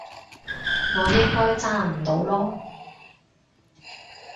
我應該揸唔到嚕